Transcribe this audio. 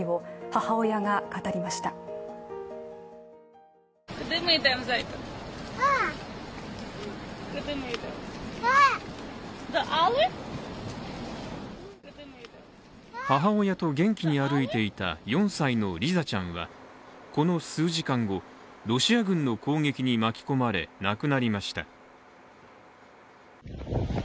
母親と元気に歩いていた４歳のリザちゃんはこの数時間後、ロシア軍の攻撃に巻き込まれ亡くなりました。